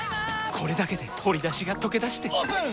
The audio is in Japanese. これだけで鶏だしがとけだしてオープン！